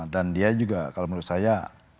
dan dia juga kalau menurut saya